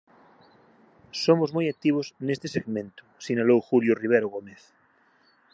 "Somos moi activos neste segmento", sinalou Julio Rivero Gómez.